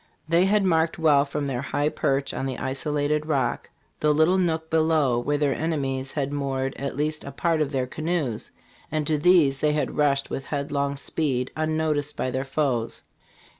57 They had marked well from their high perch on the isolated Rock, the little nook below, where their enemies had moored at least a part of their canoes, and to these they rushed with headlong speed, unnoticed by their foes.